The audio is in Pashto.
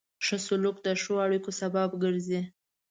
ښه سلوک د ښو اړیکو سبب ګرځي.